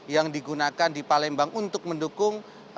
yang digunakan di palembang untuk mendukung